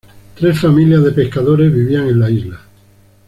Tres familias de pescadores vivían en la isla.